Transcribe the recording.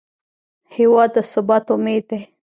هېواد د ثبات امید دی.